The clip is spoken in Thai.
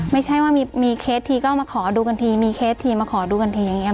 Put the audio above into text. ไม่ใช่ว่ามีเคสทีก็มาขอดูกันทีมีเคสทีมาขอดูกันทีอย่างนี้